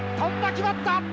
決まった。